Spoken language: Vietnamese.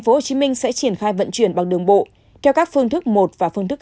tp hcm sẽ triển khai vận chuyển bằng đường bộ theo các phương thức một và phương thức